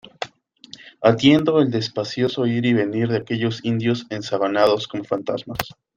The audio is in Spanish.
atiendo el despacioso ir y venir de aquellos indios ensabanados como fantasmas